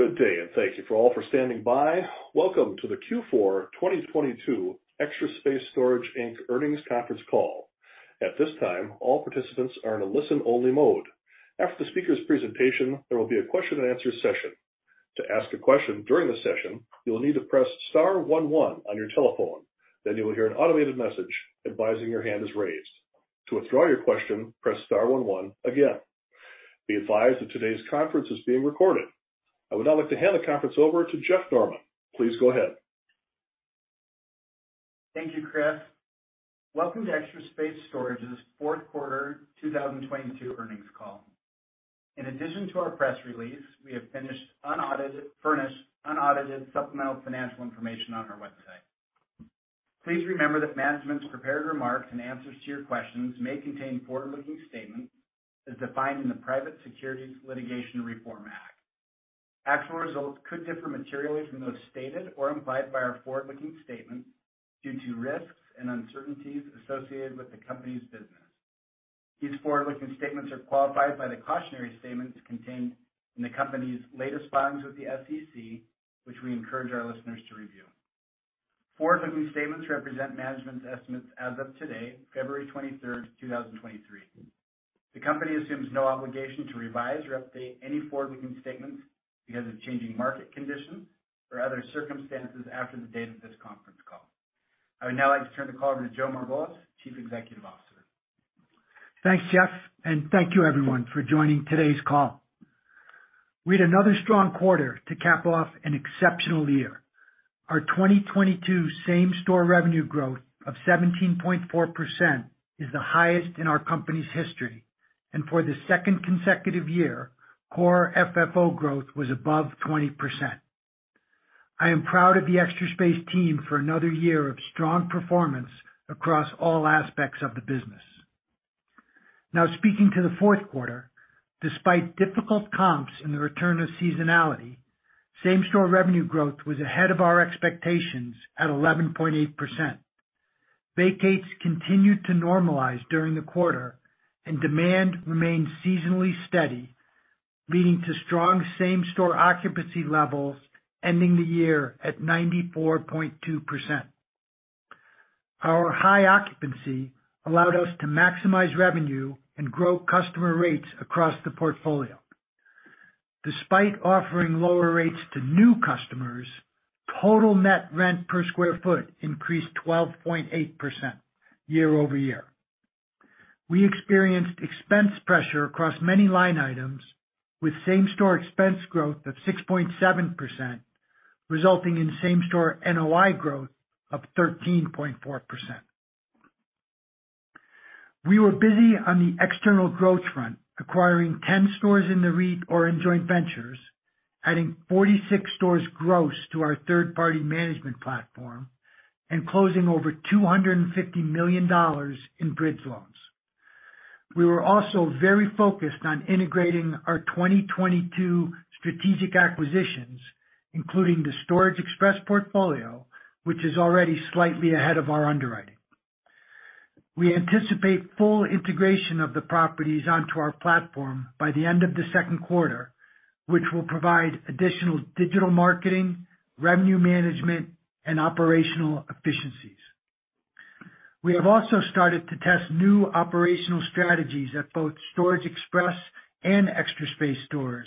Good day. Thank you for all for standing by. Welcome to the Q4 2022 Extra Space Storage Inc. earnings conference call. At this time, all participants are in a listen-only mode. After the speaker's presentation, there will be a question-and-answer session. To ask a question during the session, you will need to press star one, one on your telephone. You will hear an automated message advising your hand is raised. To withdraw your question, press star one, one again. Be advised that today's conference is being recorded. I would now like to hand the conference over to Jeff Norman. Please go ahead. Thank you, Chris. Welcome to Extra Space Storage's fourth quarter 2022 earnings call. In addition to our press release, we have furnished unaudited supplemental financial information on our website. Please remember that management's prepared remarks and answers to your questions may contain forward-looking statements as defined in the Private Securities Litigation Reform Act. Actual results could differ materially from those stated or implied by our forward-looking statements due to risks and uncertainties associated with the company's business. These forward-looking statements are qualified by the cautionary statements contained in the company's latest filings with the SEC, which we encourage our listeners to review. Forward-looking statements represent management's estimates as of today, February 23rd, 2023. The company assumes no obligation to revise or update any forward-looking statements because of changing market conditions or other circumstances after the date of this conference call. I would now like to turn the call over to Joe Margolis, Chief Executive Officer. Thanks, Jeff, and thank you everyone for joining today's call. We had another strong quarter to cap off an exceptional year. Our 2022 same-store revenue growth of 17.4% is the highest in our company's history, and for the second consecutive year, core FFO growth was above 20%. I am proud of the Extra Space team for another year of strong performance across all aspects of the business. Now speaking to the fourth quarter, despite difficult comps in the return of seasonality, same-store revenue growth was ahead of our expectations at 11.8%. Vacates continued to normalize during the quarter and demand remained seasonally steady, leading to strong same-store occupancy levels ending the year at 94.2%. Our high occupancy allowed us to maximize revenue and grow customer rates across the portfolio. Despite offering lower rates to new customers, total net rent per square foot increased 12.8% year-over-year. We experienced expense pressure across many line items, with same-store expense growth of 6.7%, resulting in same-store NOI growth of 13.4%. We were busy on the external growth front, acquiring 10 stores in the REIT or in joint ventures, adding 46 stores gross to our third-party management platform, and closing over $250 million in bridge loans. We were also very focused on integrating our 2022 strategic acquisitions, including the Storage Express portfolio, which is already slightly ahead of our underwriting. We anticipate full integration of the properties onto our platform by the end of the second quarter, which will provide additional digital marketing, revenue management, and operational efficiencies. We have also started to test new operational strategies at both Storage Express and Extra Space stores.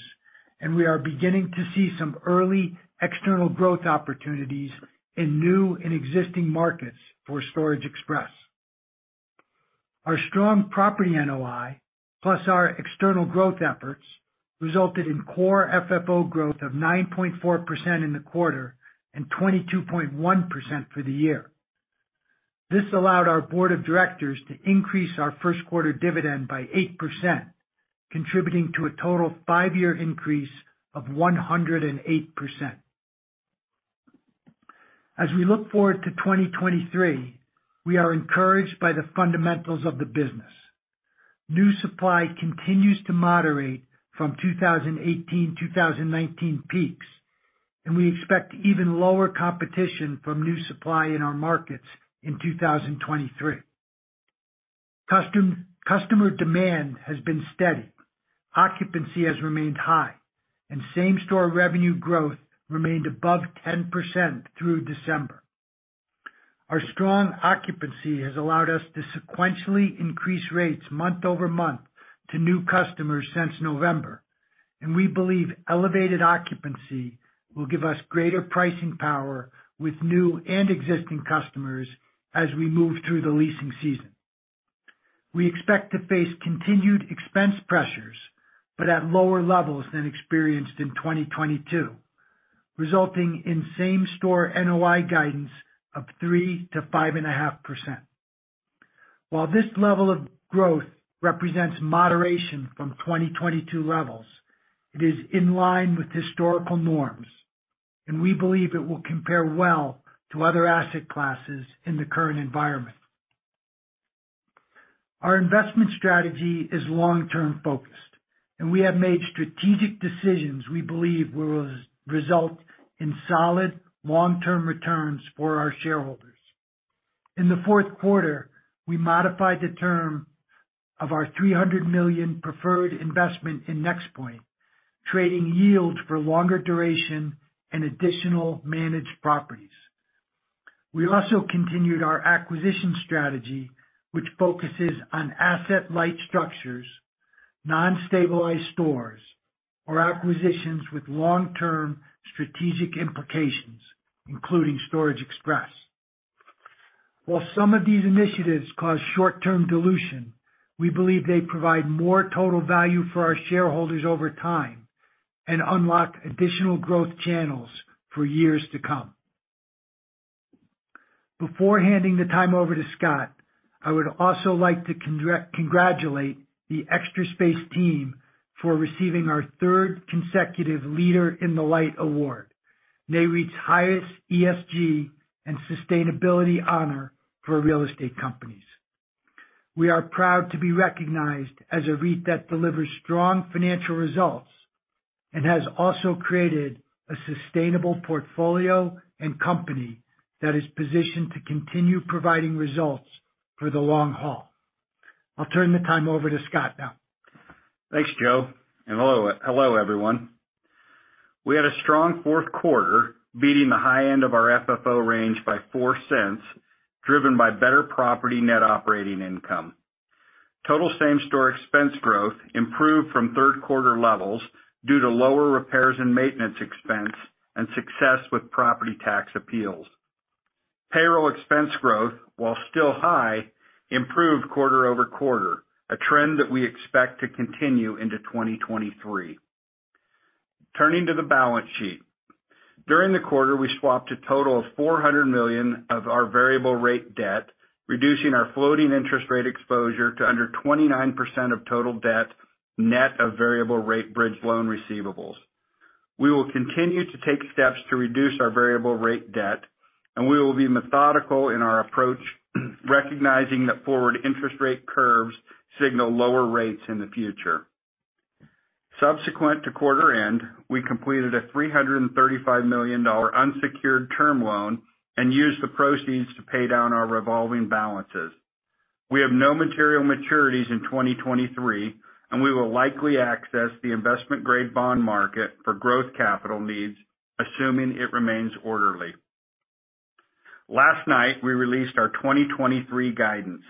We are beginning to see some early external growth opportunities in new and existing markets for Storage Express. Our strong property NOI, plus our external growth efforts, resulted in core FFO growth of 9.4% in the quarter and 22.1% for the year. This allowed our board of directors to increase our first quarter dividend by 8%, contributing to a total five-year increase of 108%. As we look forward to 2023, we are encouraged by the fundamentals of the business. New supply continues to moderate from 2018, 2019 peaks. We expect even lower competition from new supply in our markets in 2023. Customer demand has been steady. Occupancy has remained high, and same-store revenue growth remained above 10% through December. Our strong occupancy has allowed us to sequentially increase rates month-over-month to new customers since November, and we believe elevated occupancy will give us greater pricing power with new and existing customers as we move through the leasing season. We expect to face continued expense pressures, but at lower levels than experienced in 2022, resulting in same-store NOI guidance of 3%-5.5%. While this level of growth represents moderation from 2022 levels, it is in line with historical norms, and we believe it will compare well to other asset classes in the current environment. Our investment strategy is long-term focused, and we have made strategic decisions we believe will result in solid long-term returns for our shareholders. In the fourth quarter, we modified the term of our $300 million preferred investment in NexPoint, trading yield for longer duration and additional managed properties. We also continued our acquisition strategy, which focuses on asset-light structures, non-stabilized stores, or acquisitions with long-term strategic implications, including Storage Express. While some of these initiatives cause short-term dilution, we believe they provide more total value for our shareholders over time and unlock additional growth channels for years to come. Before handing the time over to Scott, I would also like to congratulate the Extra Space team for receiving our third consecutive Leader in the Light award, NAREIT's highest ESG and sustainability honor for real estate companies. We are proud to be recognized as a REIT that delivers strong financial results and has also created a sustainable portfolio and company that is positioned to continue providing results for the long haul. I'll turn the time over to Scott now. Thanks, Joe. Hello, hello, everyone. We had a strong fourth quarter, beating the high end of our FFO range by $0.04, driven by better property net operating income. Total same-store expense growth improved from third quarter levels due to lower repairs and maintenance expense and success with property tax appeals. Payroll expense growth, while still high, improved quarter-over-quarter, a trend that we expect to continue into 2023. Turning to the balance sheet. During the quarter, we swapped a total of $400 million of our variable rate debt, reducing our floating interest rate exposure to under 29% of total debt, net of variable rate bridge loan receivables. We will continue to take steps to reduce our variable rate debt, and we will be methodical in our approach, recognizing that forward interest rate curves signal lower rates in the future. Subsequent to quarter end, we completed a $335 million unsecured term loan and used the proceeds to pay down our revolving balances. We have no material maturities in 2023. We will likely access the investment-grade bond market for growth capital needs, assuming it remains orderly. Last night, we released our 2023 guidance.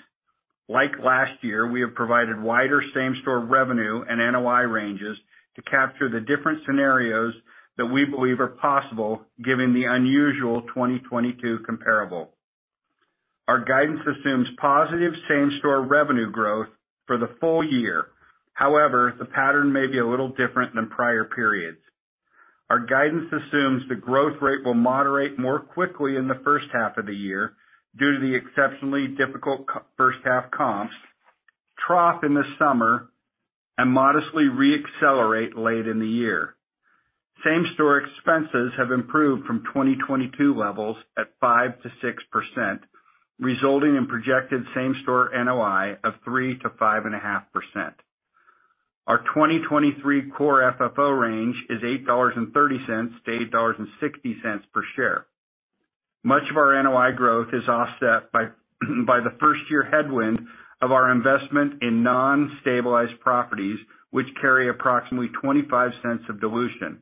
Like last year, we have provided wider same-store revenue and NOI ranges to capture the different scenarios that we believe are possible given the unusual 2022 comparable. Our guidance assumes positive same-store revenue growth for the full year. However, the pattern may be a little different than prior periods. Our guidance assumes the growth rate will moderate more quickly in the first half of the year due to the exceptionally difficult first half comps, trough in the summer, and modestly re-accelerate late in the year. Same-store expenses have improved from 2022 levels at 5%-6%, resulting in projected same-store NOI of 3%-5.5%. Our 2023 core FFO range is $8.30-$8.60 per share. Much of our NOI growth is offset by the first year headwind of our investment in non-stabilized properties, which carry approximately $0.25 of dilution.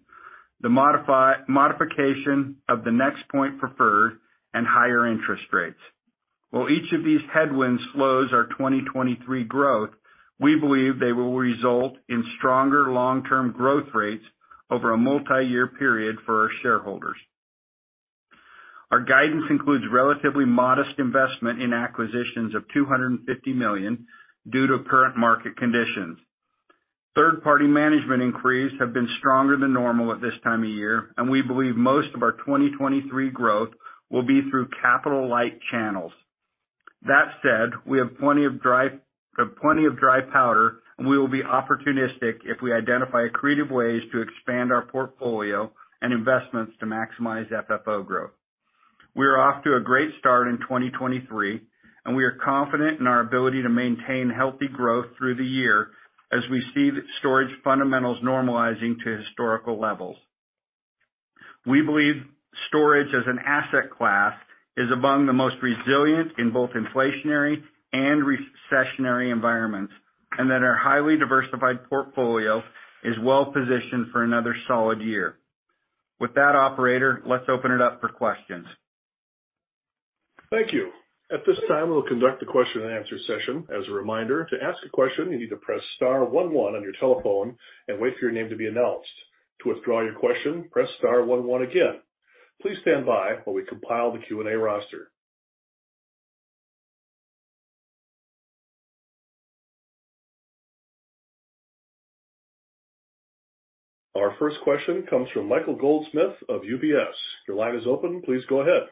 The modification of the NexPoint preferred and higher interest rates. While each of these headwinds slows our 2023 growth, we believe they will result in stronger long-term growth rates over a multiyear period for our shareholders. Our guidance includes relatively modest investment in acquisitions of $250 million due to current market conditions. Third-party management inquiries have been stronger than normal at this time of year. We believe most of our 2023 growth will be through capital-light channels. That said, we have plenty of dry powder, and we will be opportunistic if we identify creative ways to expand our portfolio and investments to maximize FFO growth. We are off to a great start in 2023, and we are confident in our ability to maintain healthy growth through the year as we see storage fundamentals normalizing to historical levels. We believe storage as an asset class is among the most resilient in both inflationary and recessionary environments, and that our highly diversified portfolio is well positioned for another solid year. With that, operator, let's open it up for questions. Thank you. At this time, we'll conduct a question and answer session. As a reminder, to ask a question, you need to press star one one on your telephone and wait for your name to be announced. To withdraw your question, press star one one again. Please stand by while we compile the Q&A roster. Our first question comes from Michael Goldsmith of UBS. Your line is open. Please go ahead.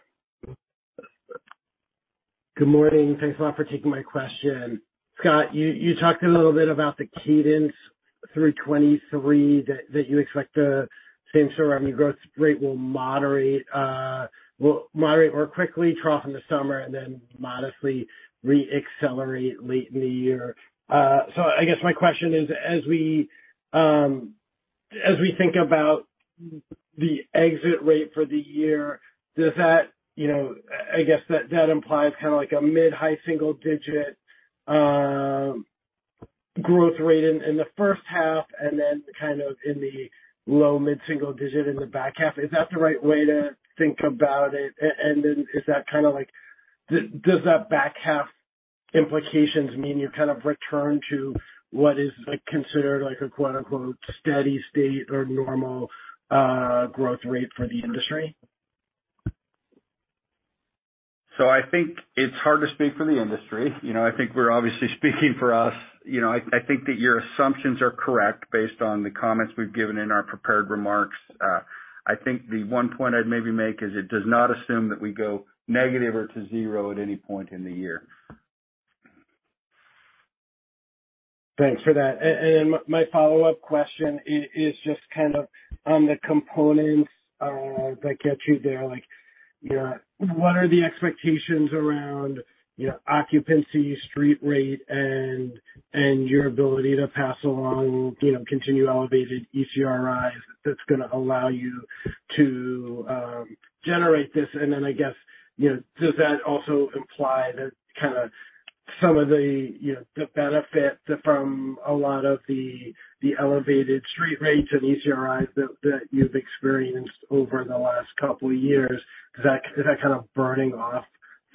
Good morning. Thanks a lot for taking my question. Scott, you talked a little bit about the cadence through 2023 that you expect the same-store, I mean, growth rate will moderate, will moderate more quickly, trough in the summer, and then modestly re-accelerate late in the year. I guess my question is, as we think about the exit rate for the year, does that, you know, I guess that implies kind of like a mid-high single digit growth rate in the first half and then kind of in the low mid-single digit in the back half. Is that the right way to think about it? Is that kinda like...Does that back half implications mean you kind of return to what is, like, considered like a, quote-unquote, "steady state or normal," growth rate for the industry? I think it's hard to speak for the industry. You know, I think we're obviously speaking for us. You know, I think that your assumptions are correct based on the comments we've given in our prepared remarks. I think the one point I'd maybe make is it does not assume that we go negative or to zero at any point in the year. Thanks for that. My follow-up question is just kind of on the components that get you there. Like, you know, what are the expectations around, you know, occupancy, street rate, and your ability to pass along, you know, continue elevated ECRIs that's gonna allow you to generate this? I guess, you know, does that also imply that kinda some of the, you know, the benefit from a lot of the elevated street rates and ECRIs that you've experienced over the last couple years, is that kind of burning off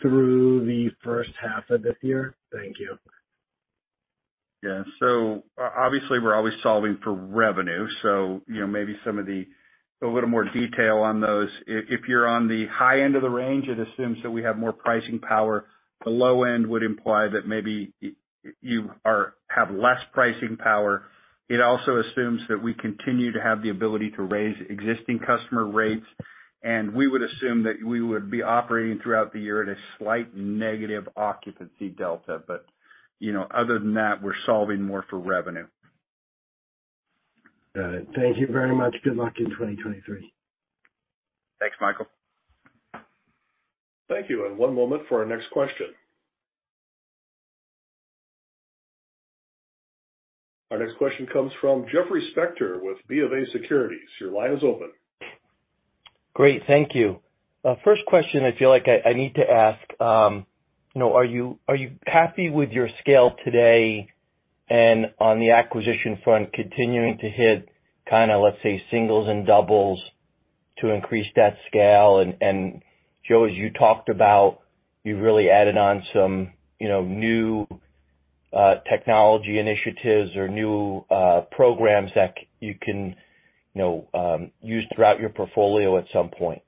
through the first half of this year? Thank you. Yeah. Obviously, we're always solving for revenue, so, you know, a little more detail on those. If you're on the high end of the range, it assumes that we have more pricing power. The low end would imply that maybe you have less pricing power. It also assumes that we continue to have the ability to raise existing customer rates, and we would assume that we would be operating throughout the year at a slight negative occupancy delta. You know, other than that, we're solving more for revenue. Got it. Thank you very much. Good luck in 2023. Thanks, Michael. Thank you, and one moment for our next question. Our next question comes from Jeffrey Spector with B of A Securities. Your line is open. Great. Thank you. First question I feel like I need to ask, you know, are you, are you happy with your scale today? On the acquisition front, continuing to hit let's say, singles and doubles to increase that scale? Joe, as you talked about, you really added on some, you know, new technology initiatives or new programs that you can, you know, use throughout your portfolio at some point.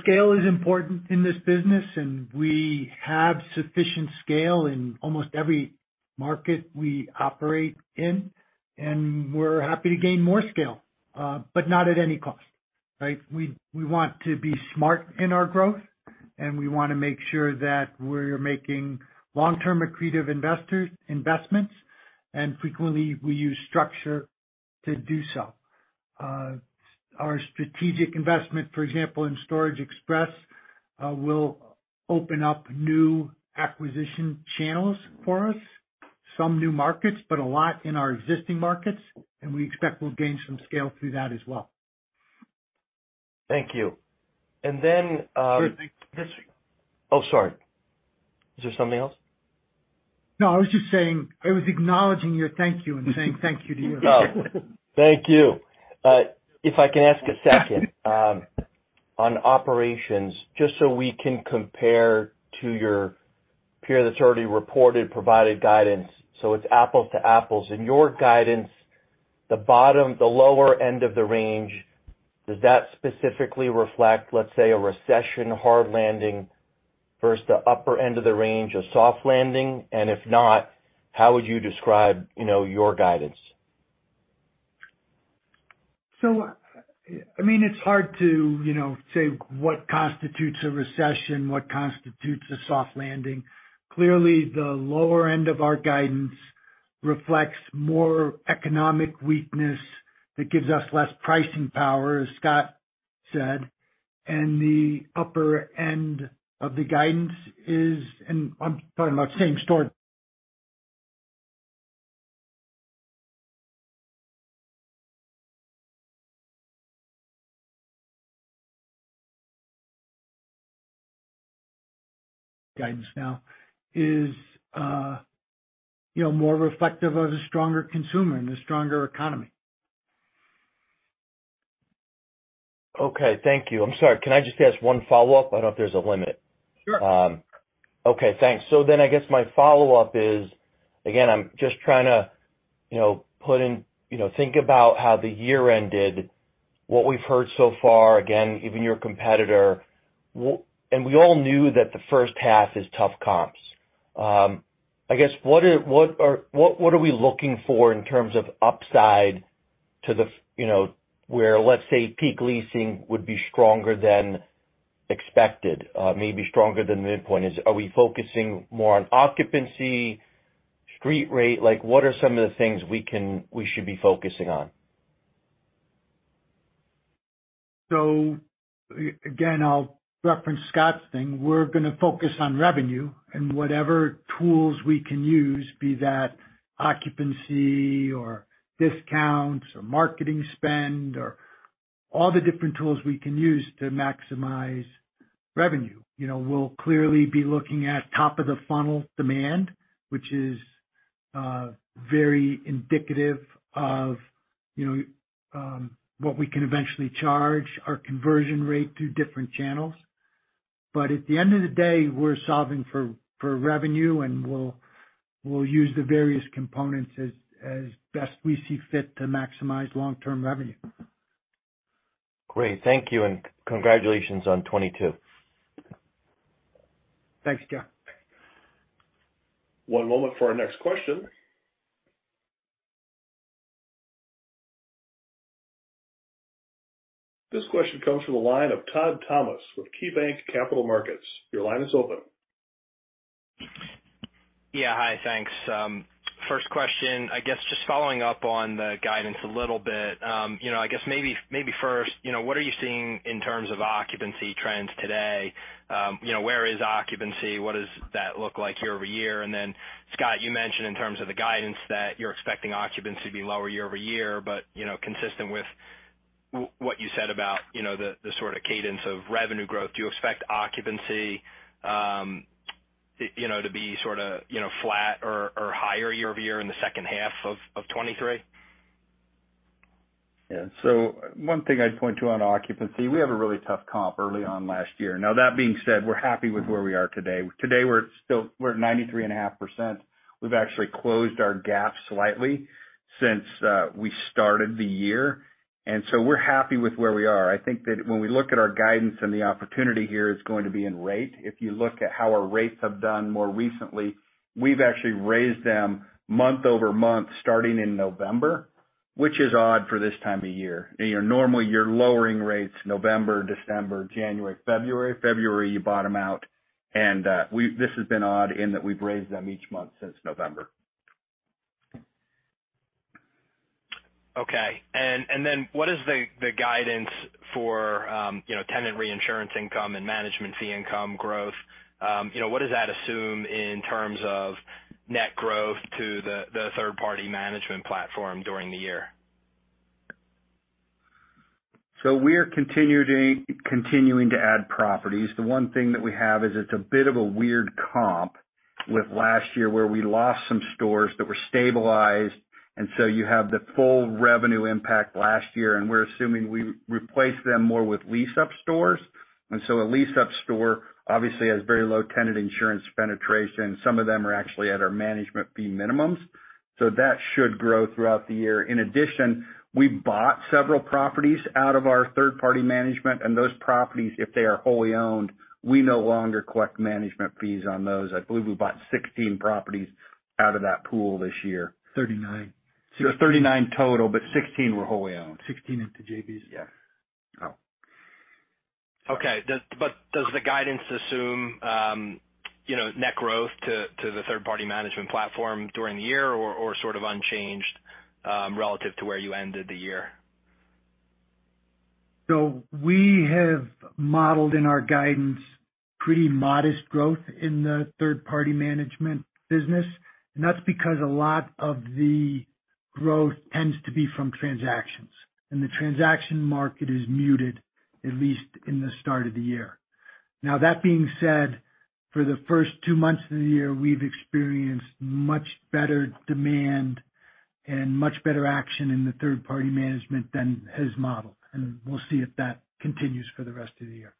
Scale is important in this business, and we have sufficient scale in almost every market we operate in, and we're happy to gain more scale, but not at any cost, right? We want to be smart in our growth, and we wanna make sure that we're making long-term accretive investments, and frequently, we use structure to do so. Our strategic investment, for example, in Storage Express, will open up new acquisition channels for us, some new markets, but a lot in our existing markets, and we expect we'll gain some scale through that as well. Thank you. Then. Sure. Thank you. Oh, sorry. Is there something else? No, I was just saying. I was acknowledging your thank you and saying thank you to you. Oh, thank you. If I can ask a second, on operations, just so we can compare to your peer that's already reported, provided guidance, so it's apples to apples. In your guidance, the bottom, the lower end of the range, does that specifically reflect, let's say, a recession hard landing versus the upper end of the range, a soft landing? If not, how would you describe, you know, your guidance? I mean, it's hard to, you know, say what constitutes a recession, what constitutes a soft landing. Clearly, the lower end of our guidance reflects more economic weakness that gives us less pricing power, as Scott said. The upper end of the guidance is, and I'm talking about same-store guidance now, is, you know, more reflective of a stronger consumer and a stronger economy. Okay. Thank you. I'm sorry, can I just ask one follow-up? I don't know if there's a limit. Sure. Okay. Thanks. I guess my follow-up is, again, I'm just trying to, you know, put in, you know, think about how the year ended, what we've heard so far, again, even your competitor. And we all knew that the first half is tough comps. I guess, what are we looking for in terms of upside to the, you know, where, let's say, peak leasing would be stronger than expected, maybe stronger than the midpoint is? Are we focusing more on occupancy, street rate? Like, what are some of the things we can, we should be focusing on? Again, I'll reference Scott's thing. We're gonna focus on revenue and whatever tools we can use, be that occupancy or discounts or marketing spend or all the different tools we can use to maximize revenue. You know, we'll clearly be looking at top of the funnel demand, which is very indicative of, you know, what we can eventually charge our conversion rate through different channels. But at the end of the day, we're solving for revenue, and we'll use the various components as best we see fit to maximize long-term revenue. Great. Thank you, and congratulations on 2022. Thanks, John. One moment for our next question. This question comes from the line of Todd Thomas with KeyBanc Capital Markets. Your line is open. Yeah. Hi. Thanks. First question, I guess, just following up on the guidance a little bit, you know, I guess maybe first, you know, what are you seeing in terms of occupancy trends today? You know, where is occupancy? What does that look like year-over-year? Then, Scott, you mentioned in terms of the guidance that you're expecting occupancy to be lower year-over-year, but, you know, consistent with what you said about, you know, the sort of cadence of revenue growth. Do you expect occupancy, you know, to be sorta, you know, flat or higher year-over-year in the second half of 23? Yeah. One thing I'd point to on occupancy, we have a really tough comp early on last year. Now that being said, we're happy with where we are today. Today, we're at 93.5%. We've actually closed our gap slightly since we started the year, and so we're happy with where we are. I think that when we look at our guidance and the opportunity here, it's going to be in rate. If you look at how our rates have done more recently, we've actually raised them month-over-month, starting in November, which is odd for this time of year. You know, normally, you're lowering rates November, December, January, February. February, you bottom out. This has been odd in that we've raised them each month since November. Okay. What is the guidance for, you know, tenant reinsurance income and management fee income growth? You know, what does that assume in terms of net growth to the third-party management platform during the year? We're continuing to add properties. The one thing that we have is it's a bit of a weird comp with last year where we lost some stores that were stabilized. You have the full revenue impact last year, and we're assuming we replaced them more with lease-up stores. A lease-up store obviously has very low tenant insurance penetration. Some of them are actually at our management fee minimums. That should grow throughout the year. In addition, we bought several properties out of our third-party management, and those properties, if they are wholly owned, we no longer collect management fees on those. I believe we bought 16 properties out of that pool this year. 39. 39 total, but 16 were wholly owned. 16 into JVs. Yeah. Oh, okay. Does the guidance assume, you know, net growth to the third-party management platform during the year or sort of unchanged relative to where you ended the year? We have modeled in our guidance pretty modest growth in the third-party management business, and that's because a lot of the growth tends to be from transactions, and the transaction market is muted, at least in the start of the year. That being said, for the first two months of the year, we've experienced much better demand and much better action in the third-party management than his model, and we'll see if that continues for the rest of the year.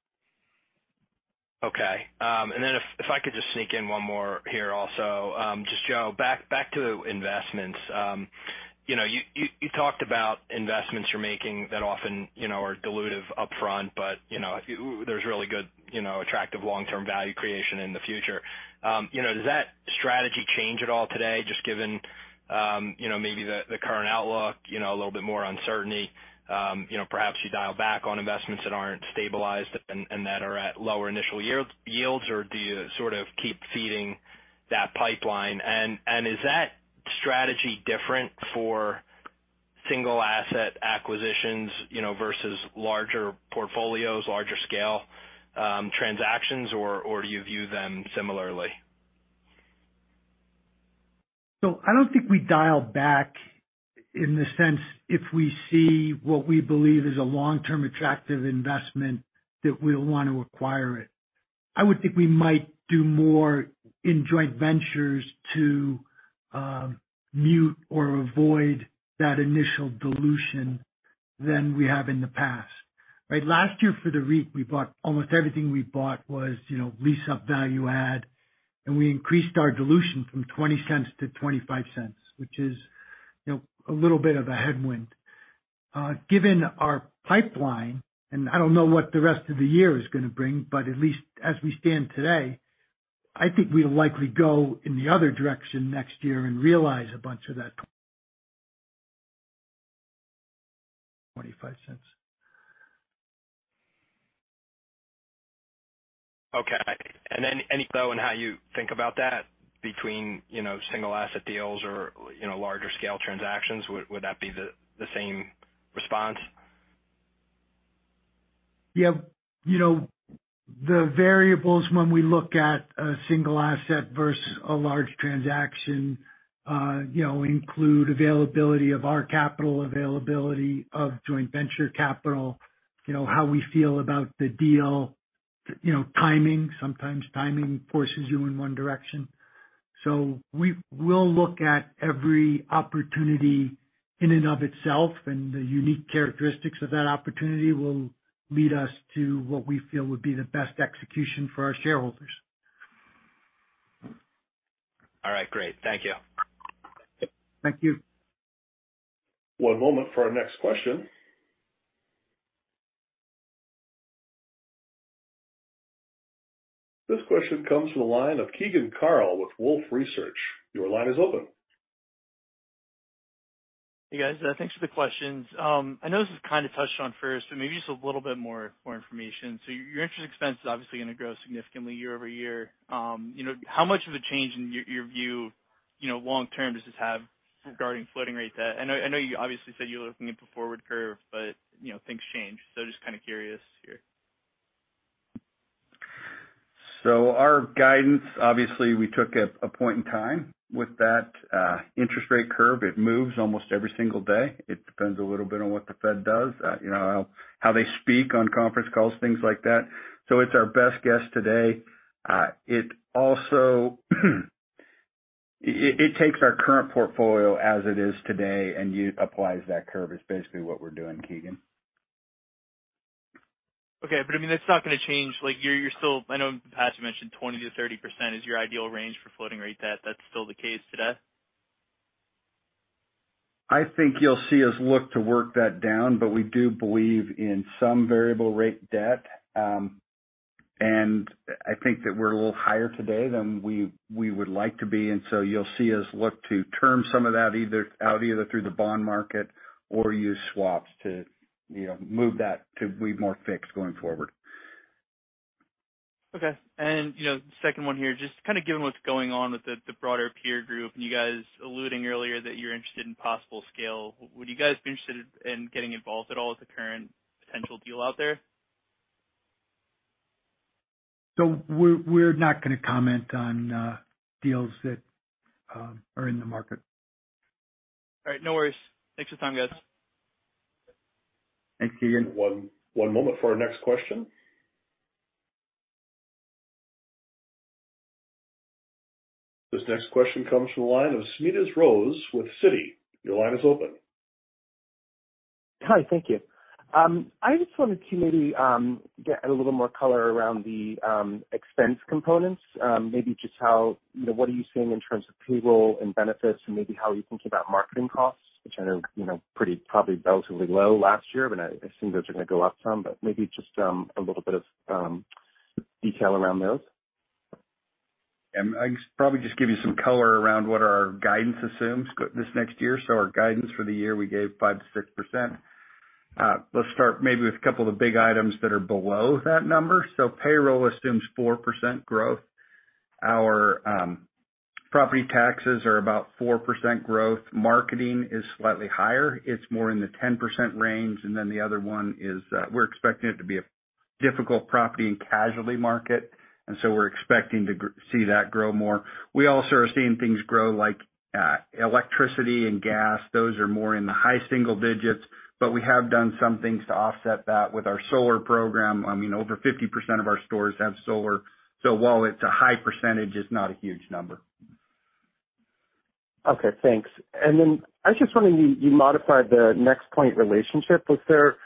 Okay. If I could just sneak in one more here also. Just, Joe, back to investments. You know, you talked about investments you're making that often, you know, are dilutive upfront, but, you know, there's really good, you know, attractive long-term value creation in the future. You know, does that strategy change at all today, just given, you know, maybe the current outlook, you know, a little bit more uncertainty? You know, perhaps you dial back on investments that aren't stabilized and that are at lower initial yields, or do you sort of keep feeding that pipeline? Is that strategy different for single asset acquisitions, you know, versus larger portfolios, larger scale, transactions, or do you view them similarly? I don't think we dial back in the sense if we see what we believe is a long-term attractive investment that we'll want to acquire it. I would think we might do more in joint ventures to mute or avoid that initial dilution than we have in the past. Right? Last year for the REIT, almost everything we bought was, you know, lease up value add, and we increased our dilution from $0.20 to $0.25, which is, you know, a little bit of a headwind. Given our pipeline, and I don't know what the rest of the year is gonna bring, but at least as we stand today, I think we'll likely go in the other direction next year and realize a bunch of that $0.25. Okay. Any thought on how you think about that between, you know, single asset deals or, you know, larger scale transactions. Would that be the same response? Yeah. You know, the variables when we look at a single asset versus a large transaction, you know, include availability of our capital, availability of joint venture capital, you know, how we feel about the deal, you know, timing. Sometimes timing forces you in one direction. We will look at every opportunity in and of itself, and the unique characteristics of that opportunity will lead us to what we feel would be the best execution for our shareholders. All right, great. Thank you. Thank you. One moment for our next question. This question comes from the line of Keegan Carl with Wolfe Research. Your line is open. Hey, guys. Thanks for the questions. I know this is kind of touched on first, but maybe just a little bit more information. Your interest expense is obviously gonna grow significantly year-over-year. You know, how much of a change, in your view, you know, long term does this have regarding floating rate debt? I know you obviously said you were looking at the forward curve, but, you know, things change. Just kind of curious here. Our guidance, obviously we took a point in time with that interest rate curve. It moves almost every single day. It depends a little bit on what the Fed does, you know, how they speak on conference calls, things like that. It's our best guess today. It also, it takes our current portfolio as it is today and applies that curve is basically what we're doing, Keegan. Okay. I mean, that's not gonna change. Like, you're still, I know in the past you mentioned 20%-30% is your ideal range for floating rate debt. That's still the case today? I think you'll see us look to work that down, but we do believe in some variable rate debt. I think that we're a little higher today than we would like to be, and so you'll see us look to term some of that either through the bond market or use swaps to, you know, move that to be more fixed going forward. Okay. You know, second one here, just kind of given what's going on with the broader peer group, and you guys alluding earlier that you're interested in possible scale, would you guys be interested in getting involved at all with the current potential deal out there? We're not gonna comment on, deals that, are in the market. All right. No worries. Thanks for your time, guys. Thanks, Keegan. One moment for our next question. This next question comes from the line of Smedes Rose with Citi. Your line is open. Hi. Thank you. I just wanted to maybe get a little more color around the expense components. Maybe just how, you know, what are you seeing in terms of payroll and benefits and maybe how you're thinking about marketing costs, which I know, you know, probably relatively low last year, but I assume those are gonna go up some, but maybe just a little bit of detail around those. I probably just give you some color around what our guidance assumes this next year. Our guidance for the year, we gave 5% to 6%. Let's start maybe with a couple of the big items that are below that number. Payroll assumes 4% growth. Our property taxes are about 4% growth. Marketing is slightly higher. It's more in the 10% range. The other one is, we're expecting it to be a difficult property and casualty market, so we're expecting to see that grow more. We also are seeing things grow like electricity and gas. Those are more in the high single digits. We have done some things to offset that with our solar program. I mean, over 50% of our stores have solar. While it's a high percentage, it's not a huge number. Okay, thanks. Then I was just wondering, you modified the NexPoint relationship. Was there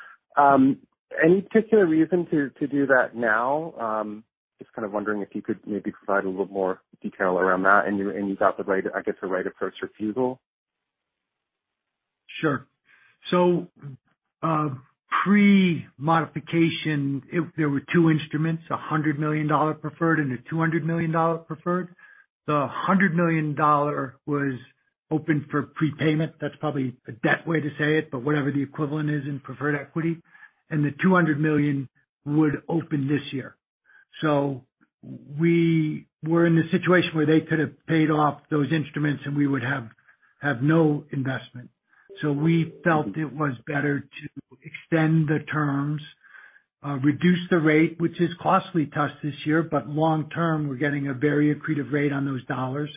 any particular reason to do that now? Just kind of wondering if you could maybe provide a little more detail around that and you got the right, I guess, the right of first refusal. Sure. Pre-modification, there were two instruments, a $100 million preferred and a $200 million preferred. The $100 million was open for prepayment. That's probably a debt way to say it, but whatever the equivalent is in preferred equity. The $200 million would open this year. We were in a situation where they could have paid off those instruments, and we would have no investment. We felt it was better to extend the terms, reduce the rate, which is costly to us this year, but long term, we're getting a very accretive rate on those dollars.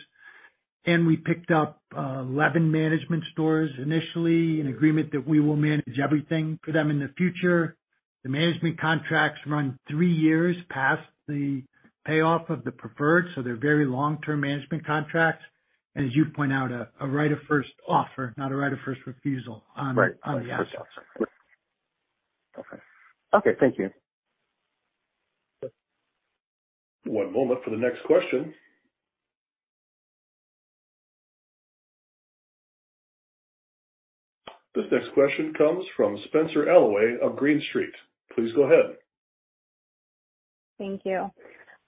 We picked up 11 management stores initially in agreement that we will manage everything for them in the future. The management contracts run three years past the payoff of the preferred, so they're very long-term management contracts. As you point out, a right of first offer, not a right of first refusal on. Right. On the assets. Okay. Okay, thank you. One moment for the next question. This next question comes from Spenser Allaway of Green Street. Please go ahead. Thank you.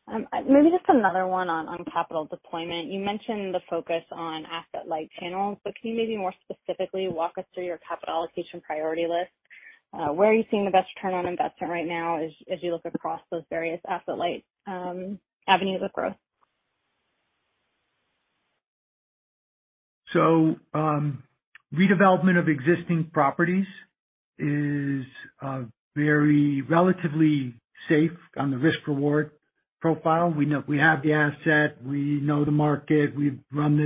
Maybe just another one on capital deployment. You mentioned the focus on asset-light channels, can you maybe more specifically walk us through your capital allocation priority list? Where are you seeing the best return on investment right now as you look across those various asset light avenues of growth? Redevelopment of existing properties is very relatively safe on the risk-reward profile. We have the asset, we know the market, we've run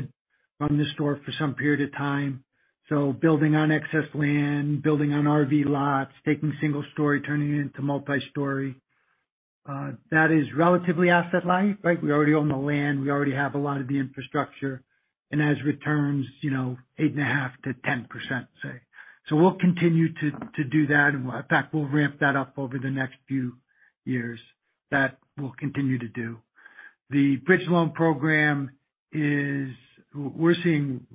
the store for some period of time. Building on excess land, building on RV lots, taking single story, turning it into multi-story, that is relatively asset light, right? We already own the land. We already have a lot of the infrastructure and has returns, you know, 8.5%-10%, say. We'll continue to do that. In fact, we'll ramp that up over the next few years. That we'll continue to do. The bridge loan program is. We're seeing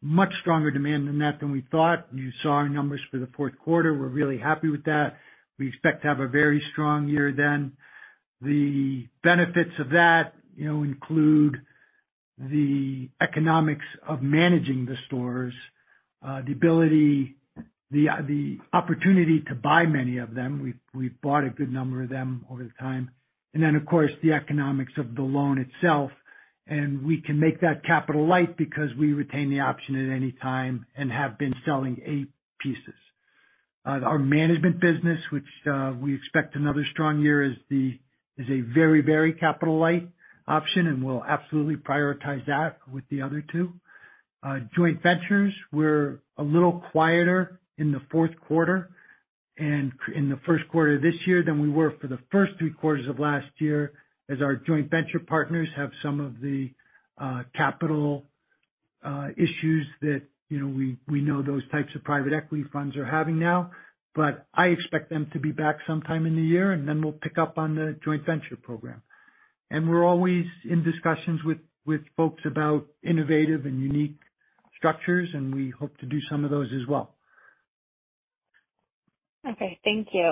much stronger demand in that than we thought. You saw our numbers for the fourth quarter. We're really happy with that. We expect to have a very strong year then. The benefits of that include the economics of managing the stores, the opportunity to buy many of them. We've bought a good number of them over the time. Then, of course, the economics of the loan itself. We can make that capital light because we retain the option at any time and have been selling eight pieces. Our management business, which we expect another strong year, is a very, very capital light option. We'll absolutely prioritize that with the other two. Joint ventures were a little quieter in the fourth quarter and in the first quarter this year than we were for the first three quarters of last year as our joint venture partners have some of the capital issues that, you know, we know those types of private equity funds are having now. I expect them to be back sometime in the year and then we'll pick up on the joint venture program. We're always in discussions with folks about innovative and unique structures, and we hope to do some of those as well. Okay. Thank you.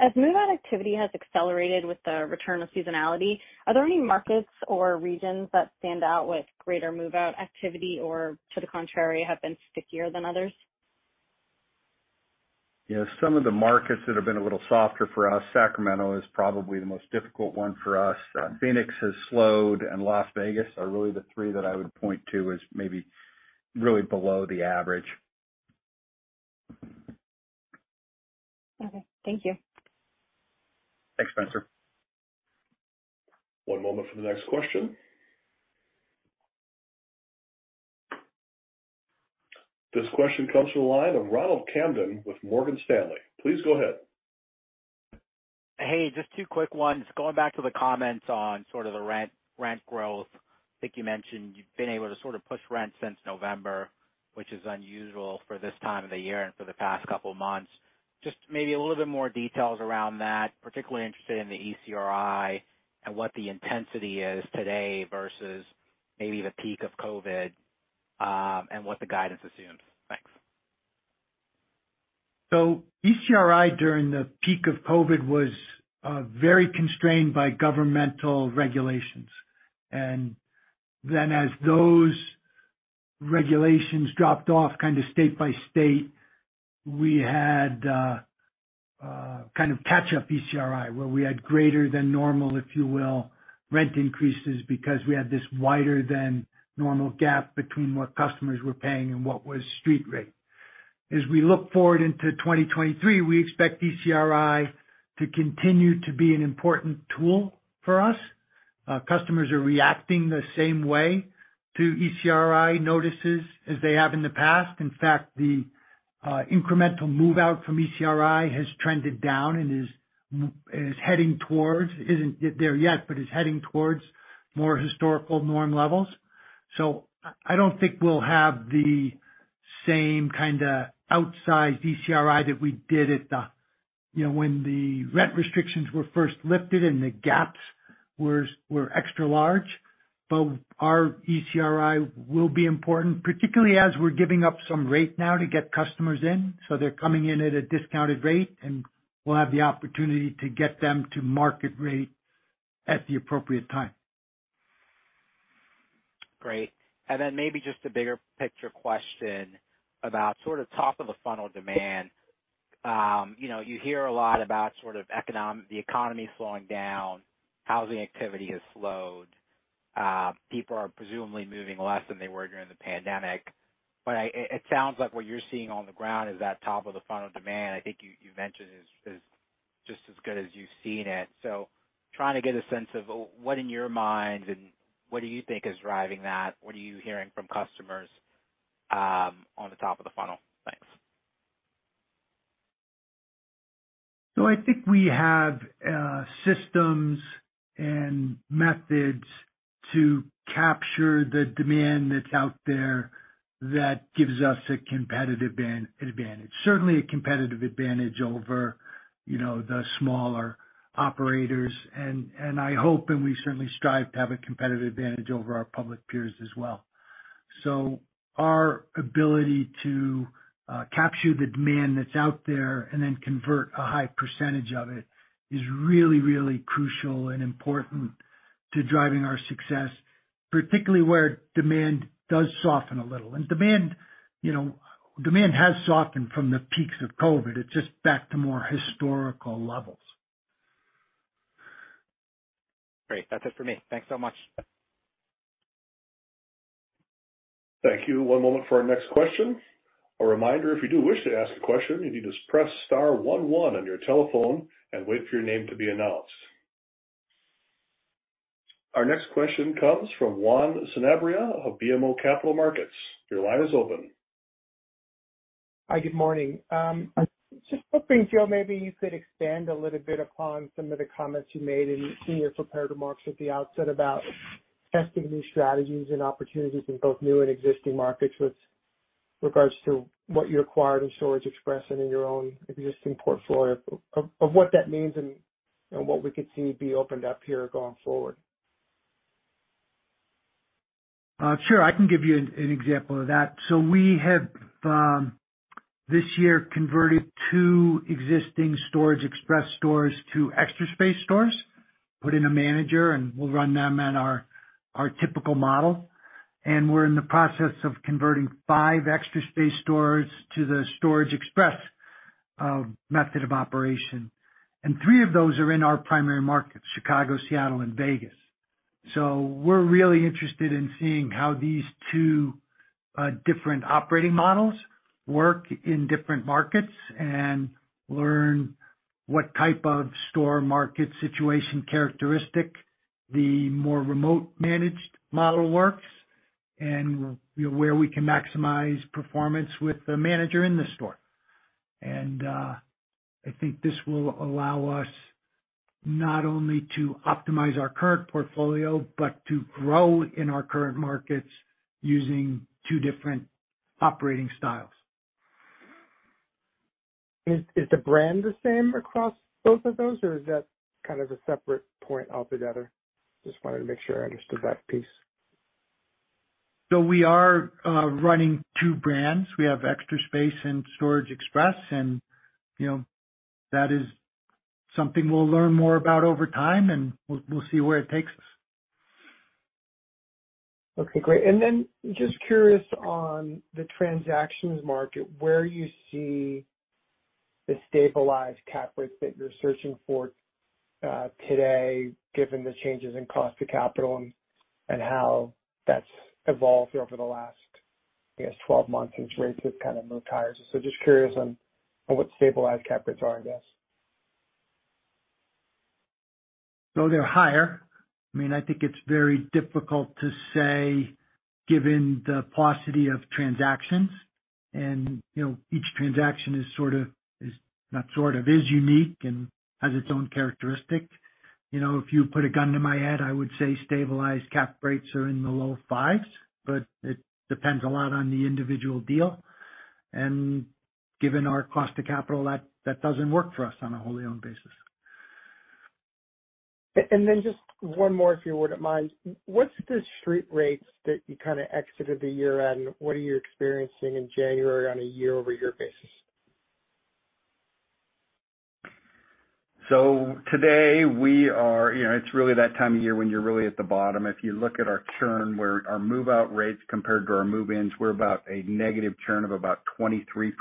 As move-out activity has accelerated with the return of seasonality, are there any markets or regions that stand out with greater move-out activity or, to the contrary, have been stickier than others? Yeah, some of the markets that have been a little softer for us, Sacramento is probably the most difficult one for us. Phoenix has slowed and Las Vegas are really the three that I would point to as maybe really below the average. Okay. Thank you. Thanks, Spenser. One moment for the next question. This question comes from the line of Ronald Kamdem with Morgan Stanley. Please go ahead. Hey, just two quick ones. Going back to the comments on sort of the rent growth. I think you mentioned you've been able to sort of push rent since November, which is unusual for this time of the year and for the past couple of months. Just maybe a little bit more details around that. Particularly interested in the ECRI and what the intensity is today versus maybe the peak of COVID, and what the guidance assumes? Thanks. ECRI, during the peak of COVID was very constrained by governmental regulations. As those regulations dropped off kind of state by state, we had kind of catch up ECRI, where we had greater than normal, if you will, rent increases because we had this wider than normal gap between what customers were paying and what was street rate. As we look forward into 2023, we expect ECRI to continue to be an important tool for us. Customers are reacting the same way to ECRI notices as they have in the past. In fact, the incremental move-out from ECRI has trended down and is heading towards, isn't there yet, but is heading towards more historical norm levels. I don't think we'll have the same kind of outsized ECRI that we did at the, you know, when the rent restrictions were first lifted and the gaps were extra large. Our ECRI will be important, particularly as we're giving up some rate now to get customers in, so they're coming in at a discounted rate, and we'll have the opportunity to get them to market rate at the appropriate time. Great. Then maybe just a bigger picture question about sort of top of the funnel demand. You know, you hear a lot about sort of the economy slowing down, housing activity has slowed. People are presumably moving less than they were during the pandemic. I, it sounds like what you're seeing on the ground is that top of the funnel demand, I think you mentioned is just as good as you've seen it. Trying to get a sense of what in your mind and what do you think is driving that? What are you hearing from customers on the top of the funnel? Thanks. I think we have systems and methods to capture the demand that's out there that gives us a competitive advantage. Certainly a competitive advantage over, you know, the smaller operators. I hope, and we certainly strive to have a competitive advantage over our public peers as well. Our ability to capture the demand that's out there and then convert a high percentage of it is really, really crucial and important to driving our success, particularly where demand does soften a little. Demand, you know, demand has softened from the peaks of COVID. It's just back to more historical levels. Great. That's it for me. Thanks so much. Thank you. One moment for our next question. A reminder, if you do wish to ask a question, you need to press star one one on your telephone and wait for your name to be announced. Our next question comes from Juan Sanabria of BMO Capital Markets. Your line is open. Hi, good morning. just hoping, Joe, maybe you could expand a little bit upon some of the comments you made in your prepared remarks at the outset about testing new strategies and opportunities in both new and existing markets with regards to what you acquired in Storage Express and in your own existing portfolio, what that means and what we could see be opened up here going forward? Sure, I can give you an example of that. We have this year converted two existing Storage Express stores to Extra Space stores, put in a manager, and we'll run them at our typical model. We're in the process of converting five Extra Space stores to the Storage Express method of operation. Three of those are in our primary markets, Chicago, Seattle, and Vegas. We're really interested in seeing how these two different operating models work in different markets and learn what type of store market situation characteristic, the more remote managed model works and where we can maximize performance with the manager in the store. I think this will allow us not only to optimize our current portfolio, but to grow in our current markets using two different operating styles. Is the brand the same across both of those, or is that kind of a separate point altogether? Just wanted to make sure I understood that piece. We are running two brands. We have Extra Space and Storage Express, and you know, that is something we'll learn more about over time, and we'll see where it takes us. Okay, great. Then just curious on the transactions market, where you see the stabilized cap rates that you're searching for today, given the changes in cost to capital and how that's evolved over the last, I guess, 12 months since rates have kind of moved higher? Just curious on what stabilized cap rates are, I guess. They're higher. I mean, I think it's very difficult to say given the paucity of transactions. You know, each transaction is sort of, not sort of, is unique and has its own characteristic. You know, if you put a gun to my head, I would say stabilized cap rates are in the low 5s, but it depends a lot on the individual deal, and given our cost of capital, that doesn't work for us on a wholly owned basis. Just one more, if you wouldn't mind. What's the street rates that you kind of exited the year on, and what are you experiencing in January on a year-over-year basis? Today we are, you know, it's really that time of year when you're really at the bottom. If you look at our churn, where our move-out rates compared to our move-ins, we're about a negative churn of about 23%,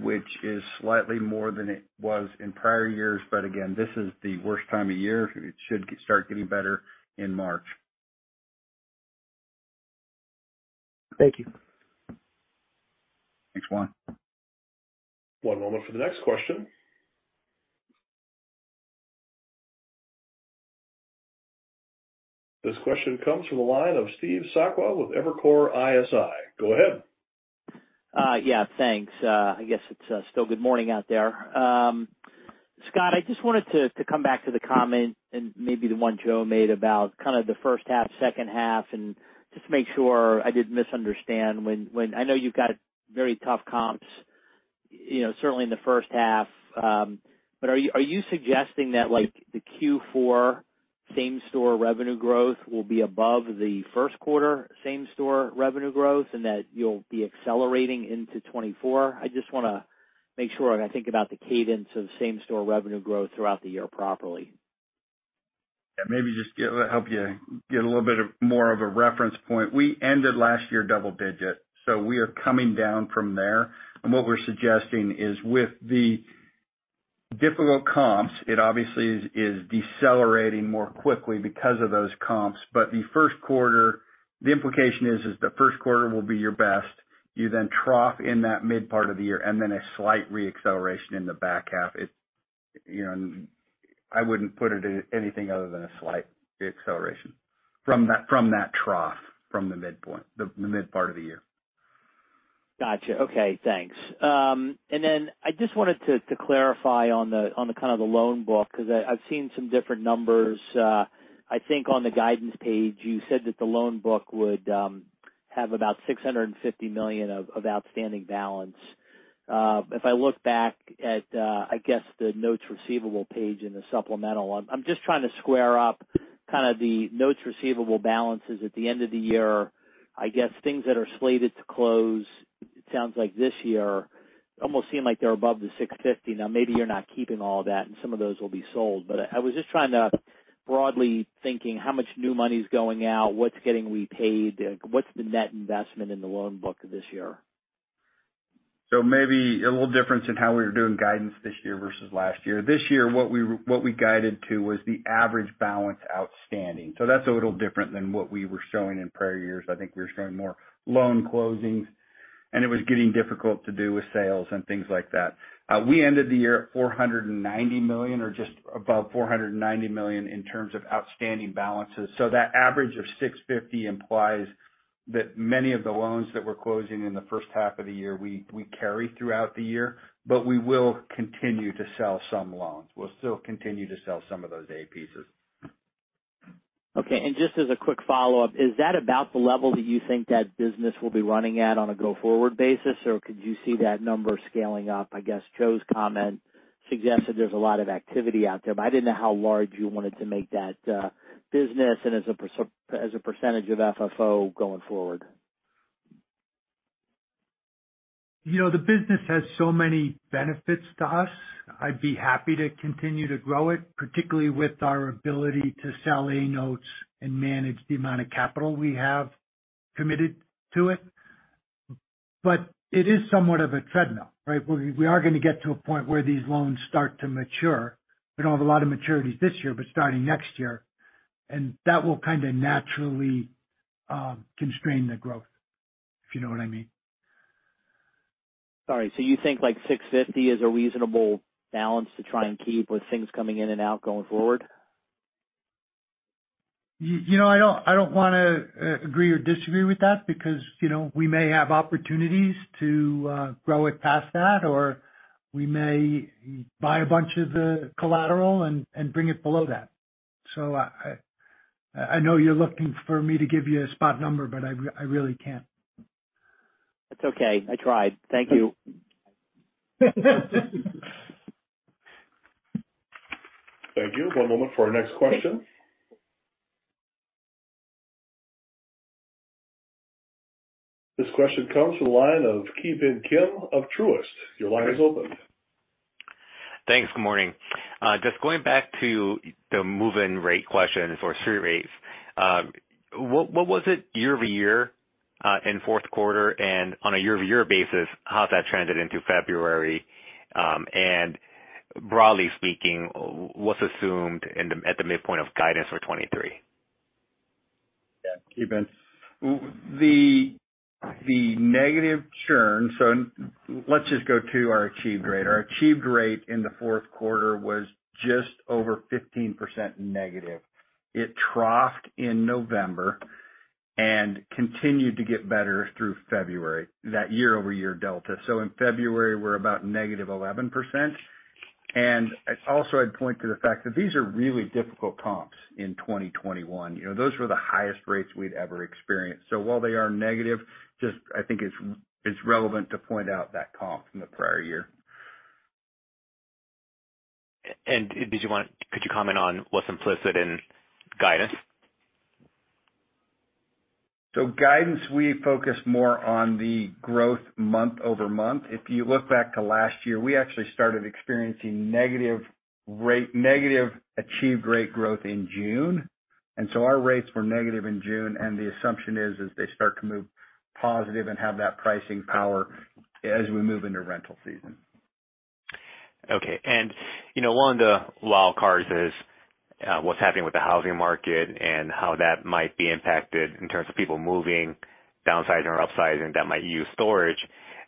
which is slightly more than it was in prior years. Again, this is the worst time of year. It should start getting better in March. Thank you. Thanks, Juan. One moment for the next question. This question comes from the line of Steve Sakwa with Evercore ISI. Go ahead. Yeah, thanks. I guess it's still good morning out there. Scott, I just wanted to come back to the comment and maybe the one Joe made about kind of the first half, second half and just make sure I didn't misunderstand when I know you've got very tough comps, you know, certainly in the first half. Are you suggesting that like the Q4 same-store revenue growth will be above the first quarter same-store revenue growth and that you'll be accelerating into 2024? I just wanna make sure I think about the cadence of same-store revenue growth throughout the year properly. Yeah, maybe just help you get a little bit of more of a reference point. We ended last year double digit, so we are coming down from there. What we're suggesting is with the difficult comps, it obviously is decelerating more quickly because of those comps. The first quarter, the implication is the first quarter will be your best. You then trough in that mid part of the year and then a slight re-acceleration in the back half. It, you know, I wouldn't put it as anything other than a slight re-acceleration from that trough from the midpoint, the mid part of the year. Gotcha. Okay, thanks. I just wanted to clarify on the kind of the loan book because I've seen some different numbers. I think on the guidance page you said that the loan book would have about $650 million of outstanding balance. If I look back at I guess the notes receivable page in the supplemental, I'm just trying to square up kind of the notes receivable balances at the end of the year. I guess things that are slated to close, it sounds like this year. It almost seem like they're above the $650. Maybe you're not keeping all that and some of those will be sold, but I was just trying to broadly thinking how much new money is going out, what's getting repaid, what's the net investment in the loan book this year? Maybe a little difference in how we were doing guidance this year versus last year. This year, what we guided to was the average balance outstanding. That's a little different than what we were showing in prior years. I think we were showing more loan closings, and it was getting difficult to do with sales and things like that. We ended the year at $490 million or just above $490 million in terms of outstanding balances. That average of $650 implies that many of the loans that we're closing in the first half of the year, we carry throughout the year. We will continue to sell some loans. We'll still continue to sell some of those A pieces. Okay. Just as a quick follow-up, is that about the level that you think that business will be running at on a go-forward basis, or could you see that number scaling up? I guess Joe's comment suggests that there's a lot of activity out there, but I didn't know how large you wanted to make that business and as a percentage of FFO going forward. You know, the business has so many benefits to us. I'd be happy to continue to grow it, particularly with our ability to sell A notes and manage the amount of capital we have committed to it. It is somewhat of a treadmill, right? We are gonna get to a point where these loans start to mature. We don't have a lot of maturities this year, but starting next year. That will kinda naturally constrain the growth, if you know what I mean. Sorry. You think like $650 is a reasonable balance to try and keep with things coming in and out going forward? You know, I don't wanna agree or disagree with that because, you know, we may have opportunities to grow it past that, or we may buy a bunch of the collateral and bring it below that. I know you're looking for me to give you a spot number, but I really can't. That's okay. I tried. Thank you. Thank you. One moment for our next question. This question comes from the line of Ki Bin Kim of Truist. Your line is open. Thanks. Good morning. Just going back to the move-in rate question for street rates, what was it year-over-year in fourth quarter? On a year-over-year basis, how has that trended into February? Broadly speaking, what's assumed at the midpoint of guidance for 2023? Yeah. Kevin. The negative churn. Let's just go to our achieved rate. Our achieved rate in the fourth quarter was just over 15% negative. It troughed in November and continued to get better through February, that year-over-year delta. In February, we're about negative 11%. Also, I'd point to the fact that these are really difficult comps in 2021. You know, those were the highest rates we'd ever experienced. While they are negative, just I think it's relevant to point out that comp from the prior year. Could you comment on what's implicit in guidance? Guidance, we focus more on the growth month-over-month. If you look back to last year, we actually started experiencing negative rate, negative achieved rate growth in June. Our rates were negative in June. The assumption is as they start to move positive and have that pricing power as we move into rental season. Okay. you know, one of the wild cards is, what's happening with the housing market and how that might be impacted in terms of people moving, downsizing or upsizing that might use storage.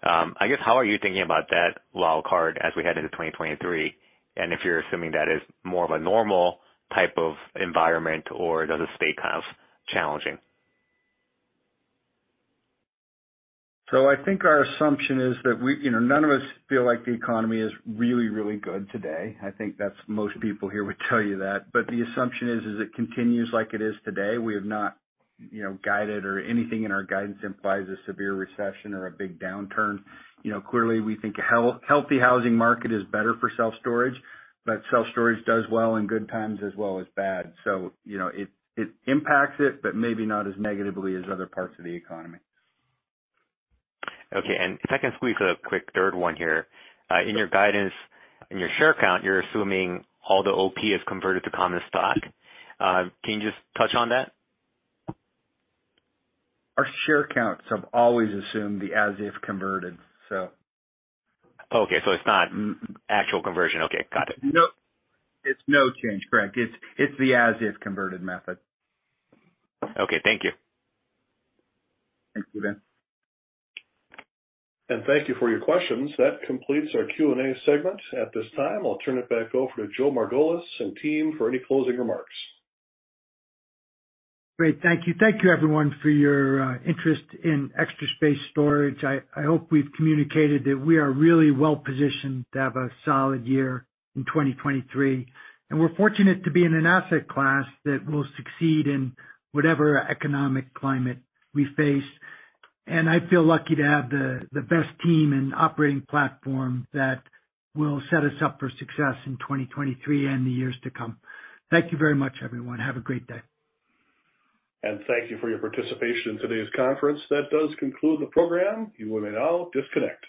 I guess, how are you thinking about that wild card as we head into 2023, and if you're assuming that is more of a normal type of environment or does it stay kind of challenging? I think our assumption is that we. You know, none of us feel like the economy is really, really good today. I think that's most people here would tell you that. The assumption is it continues like it is today. We have not, you know, guided or anything in our guidance implies a severe recession or a big downturn. You know, clearly, we think a healthy housing market is better for self-storage, but self-storage does well in good times as well as bad. You know, it impacts it, but maybe not as negatively as other parts of the economy. Okay. If I can squeeze a quick third one here. In your guidance, in your share count, you're assuming all the OP is converted to common stock. Can you just touch on that? Our share counts have always assumed the as if converted, so. Okay, it's not actual conversion. Okay, got it. No, it's no change, Bin. It's, it's the as if converted method. Okay, thank you. Thank you, Bin. Thank you for your questions. That completes our Q&A segment. At this time, I'll turn it back over to Joe Margolis and team for any closing remarks. Great. Thank you. Thank you, everyone, for your interest in Extra Space Storage. I hope we've communicated that we are really well positioned to have a solid year in 2023. We're fortunate to be in an asset class that will succeed in whatever economic climate we face. I feel lucky to have the best team and operating platform that will set us up for success in 2023 and the years to come. Thank you very much, everyone. Have a great day. Thank you for your participation in today's conference. That does conclude the program. You may now disconnect.